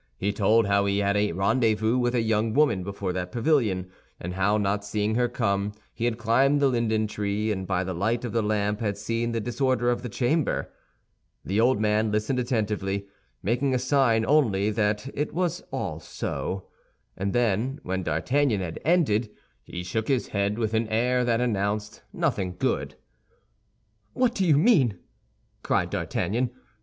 He told how he had a rendezvous with a young woman before that pavilion, and how, not seeing her come, he had climbed the linden tree, and by the light of the lamp had seen the disorder of the chamber. The old man listened attentively, making a sign only that it was all so; and then, when D'Artagnan had ended, he shook his head with an air that announced nothing good. "What do you mean?" cried D'Artagnan.